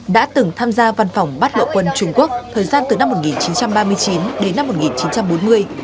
đã từng tham gia văn phòng bắt lộ quân trung quốc thời gian từ năm một nghìn chín trăm ba mươi chín đến năm một nghìn chín trăm bốn mươi